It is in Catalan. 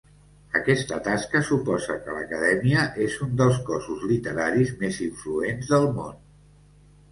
Aquesta tasca suposa que l'acadèmia és un dels cossos literaris més influents del món.